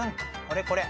これこれ。